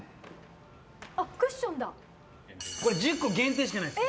１０個限定しかないです。